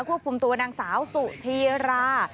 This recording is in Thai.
ควบคุมตัวนางสาวสุธีรา